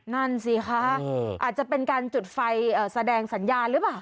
นั่นสิคะอาจจะเป็นการจุดไฟแสดงสัญญาณหรือเปล่า